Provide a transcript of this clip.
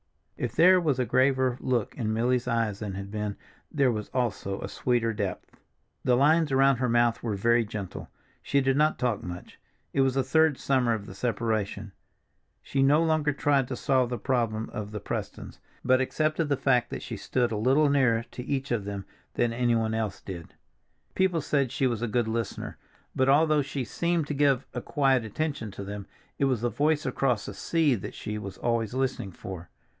If there was a graver look in Milly's eyes than had been, there was also a sweeter depth. The lines around her mouth were very gentle. She did not talk much. It was the third summer of the separation; she no longer tried to solve the problem of the Prestons, but accepted the fact that she stood a little nearer to each of them than anyone else did. People said she was a good listener, but although she seemed to give a quiet attention to them, it was the voice across the sea that she was always listening for.